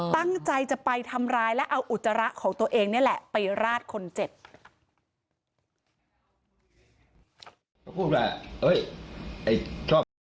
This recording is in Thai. ตั้งใจจะไปทำร้ายและเอาอุจจาระของตัวเองนี่แหละไปราดคนเจ็บ